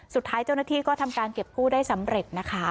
สุดท้ายเจ้าหน้าที่ก็ทำการเก็บกู้ได้สำเร็จนะคะ